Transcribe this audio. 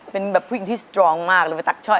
เพราะว่าเพราะว่าเพราะ